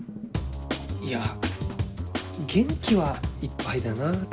いや元気はいっぱいだなって。